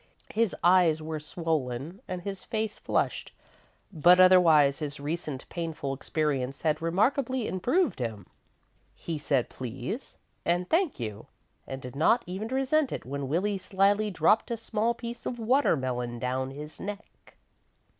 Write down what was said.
His eyes were swollen and his face flushed, but otherwise his recent painful experience had remarkably improved him. He said "please" and "thank you," and did not even resent it when Willie slyly dropped a small piece of watermelon down his neck.